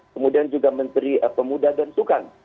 kemudian juga menteri pemuda dan sukam